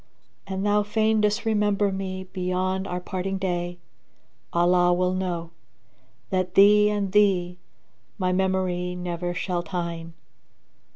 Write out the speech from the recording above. An thou fain disremember me beyond our parting day, * Allah will know, that thee and thee my memory never shall tyne.